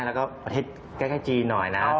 แล้วก็ประเทศใกล้จีนหน่อยนะ